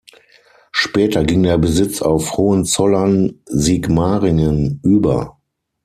Später ging der Besitz auf Hohenzollern-Sigmaringen über.